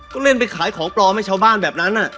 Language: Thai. ก็เล่นไปขายของปลอมให้ชาวบ้านแบบนั้น